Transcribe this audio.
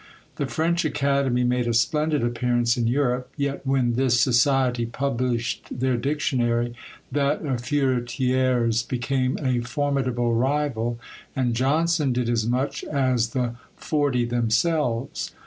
The French Academy made a splendid appearance in Europe; yet when this society published their Dictionary, that of Furetière's became a formidable rival; and Johnson did as much as the forty themselves.